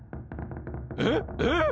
えっえっ。